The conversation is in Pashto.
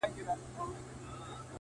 خدای به د وطن له مخه ژر ورک کړي دا شر”